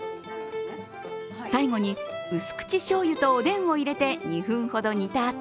最後に、うす口しょうゆとおでんを入れて２分ほど煮た